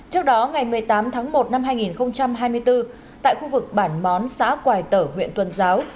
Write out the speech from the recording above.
trước đó ngày một mươi tám tháng một năm hai nghìn hai mươi bốn tại khu vực bản món xã quài tở huyện tuần giáo